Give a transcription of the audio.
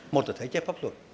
một là thể chế pháp luật